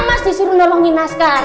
ya mas disuruh tolongin askar